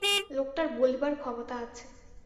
লোকটার বলিবার ক্ষমতা আছে।